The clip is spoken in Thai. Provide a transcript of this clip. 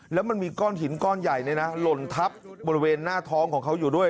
แล้วมันมีก้อนหินก้อนใหญ่หล่นทับบริเวณหน้าท้องของเขาอยู่ด้วย